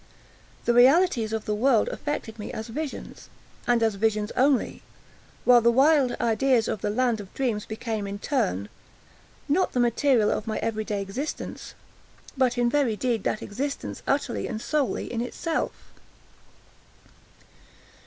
The realities of the world affected me as visions, and as visions only, while the wild ideas of the land of dreams became, in turn, not the material of my every day existence, but in very deed that existence utterly and solely in itself.